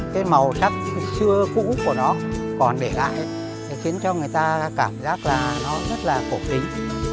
cái màu sắc xưa cũ của nó còn để lại khiến cho người ta cảm giác là nó rất là cổ kính